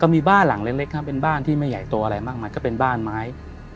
มีบ้านหลังเล็กครับเป็นบ้านที่ไม่ใหญ่โตอะไรมากมายก็เป็นบ้านไม้